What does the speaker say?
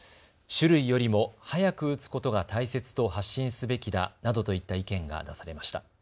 種類よりも早く打つことが大切と発信すべきだなどといった意見が出されました。